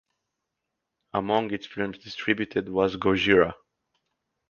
Among its films distributed was "Gojira".